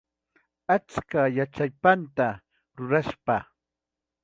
Achka yachayspanta ruwaspa.